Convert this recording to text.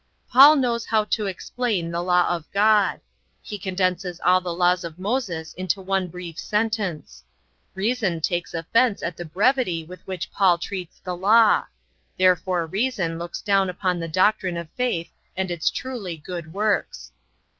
'" Paul knows how to explain the law of God. He condenses all the laws of Moses into one brief sentence. Reason takes offense at the brevity with which Paul treats the Law. Therefore reason looks down upon the doctrine of faith and its truly good works.